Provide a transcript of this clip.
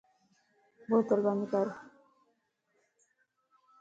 بوتل بند ڪر